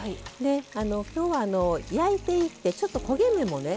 今日は焼いていってちょっと焦げ目もね